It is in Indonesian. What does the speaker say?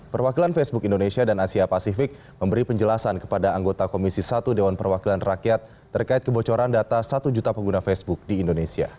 perwakilan facebook indonesia dan asia pasifik memberi penjelasan kepada anggota komisi satu dewan perwakilan rakyat terkait kebocoran data satu juta pengguna facebook di indonesia